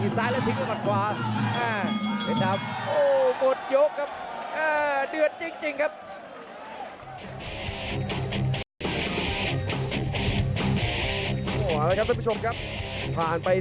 ส่องขวาเติมเข้าไป